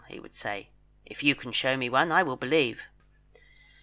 he would say. "If you can show me one, I will believe."